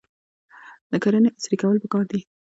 د کرنې عصري کول پکار دي.